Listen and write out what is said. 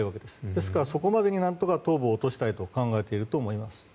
ですから、そこまでに東部を落としたいと考えていると思います。